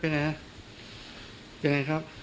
ขอบคุณครับ